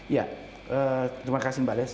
ya terima kasih mbak les